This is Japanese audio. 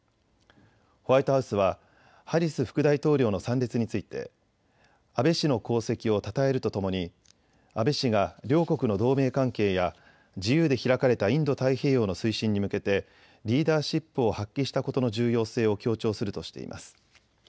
ホワイトハウスはハリス副大統領の参列について、安倍氏の功績をたたえるとともに安倍氏が両国の同盟関係や自由で開かれたインド太平洋の推進に向けてリーダーシップを発揮したことの重要性を強調するとしています。